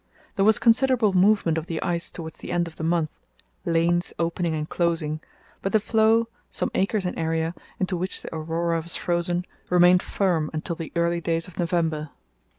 There was considerable movement of the ice towards the end of the month, lanes opening and closing, but the floe, some acres in area, into which the Aurora was frozen, remained firm until the early days of November.